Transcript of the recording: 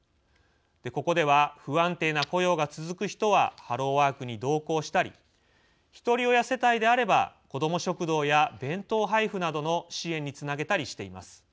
ここでは不安定な雇用が続く人はハローワークに同行したり一人親世帯であれば子ども食堂や弁当配布などの支援につなげたりしています。